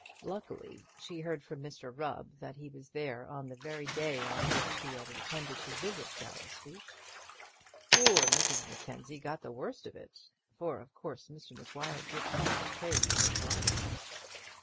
Luckily she heard from Mr Rubb that he was there on the very day on which she had intended to visit Gower Street. Poor Mrs Mackenzie got the worst of it; for of course Mr Maguire did not pay for his lodgings.